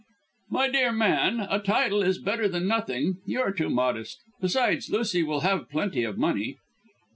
"My dear man, a title is better than nothing. You are too modest. Besides, Lucy will have plenty of money."